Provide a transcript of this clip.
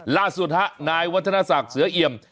ล่าสุดฮะนายวัฒนศักดิ์เสือเอี่ยม